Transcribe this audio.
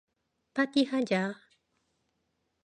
파티하자!